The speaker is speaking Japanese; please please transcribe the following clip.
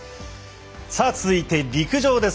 さあ続いて陸上です。